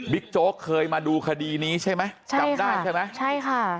โจ๊กเคยมาดูคดีนี้ใช่ไหมใช่จำได้ใช่ไหมใช่ค่ะ